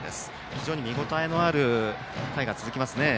非常に見応えのある回が続きますね。